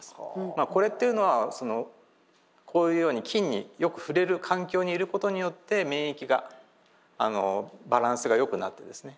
まあこれっていうのはそのこういうように菌によく触れる環境にいることによって免疫がバランスがよくなってですね